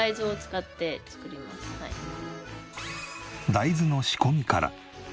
大豆の仕込みから。